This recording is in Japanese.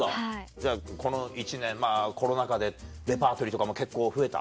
じゃあこの１年コロナ禍でレパートリーとかも結構増えた？